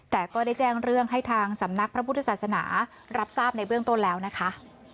แต่ก็ได้แจ้งเรื่องให้ทางสำนักพระพุทธศาสนารับทราบในเบื้องต้นแล้วนะคะ